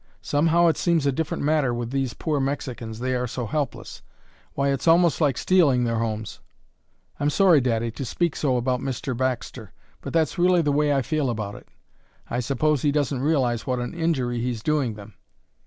Somehow it seems a different matter with these poor Mexicans, they are so helpless. Why, it's almost like stealing their homes. I'm sorry, daddy, to speak so about Mr. Baxter, but that's really the way I feel about it; I suppose he doesn't realize what an injury he's doing them.